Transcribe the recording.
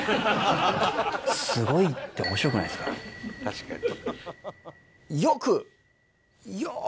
確かに。